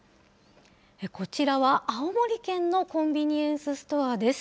こちらは青森県のコンビニエンスストアです。